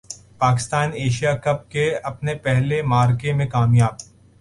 Pakistan Asia cup کے اپنے پہلے معرکے میں کامیاب